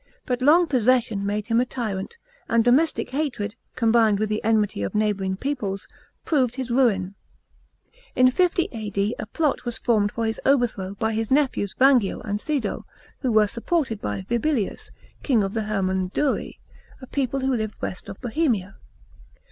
But long possession made him a tyrant, and domestic hatred, combined with the enmity of neighbouring peoples, proved his ruin. In 60 A.D. a plot was formed for his overthrow by his nephews Vangio and Sido, who were supported by Vibilius, king of the Hermunduri, a people who lived west of Bohemia.